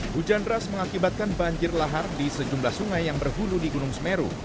hujan deras mengakibatkan banjir lahar di sejumlah sungai yang berhulu di gunung semeru